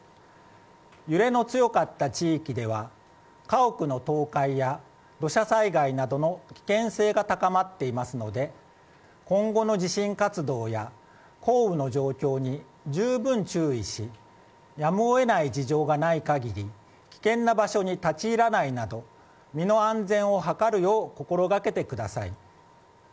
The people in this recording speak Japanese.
揺れの強かった地域では家屋の倒壊や土砂災害などの危険性が高まっていますので今後の地震活動や、降雨の状況に十分注意しやむを得ない事情がない限り危険な場所に立ち入らないなど身の安全を図るよう心がけてください。